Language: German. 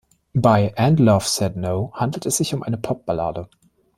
Bei And Love Said No handelt es sich um eine Pop-Ballade.